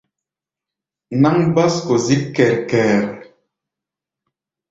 Náŋ básko zík kɛr-kɛr.